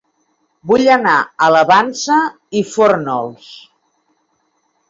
Vull anar a La Vansa i Fórnols